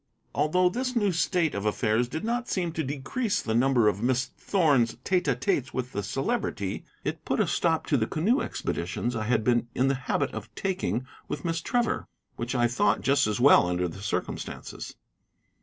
Although this new state of affairs did not seem to decrease the number of Miss Thorn's 'tete a tetes' with the Celebrity, it put a stop to the canoe expeditions I had been in the habit of taking with Miss Trevor, which I thought just as well under the circumstances.